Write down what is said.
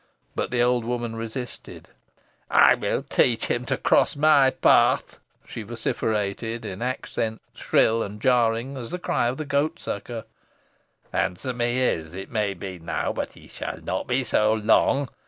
But the old woman resisted. "I will teach him to cross my path," she vociferated, in accents shrill and jarring as the cry of the goat sucker. "Handsome he is, it may be, now, but he shall not be so long.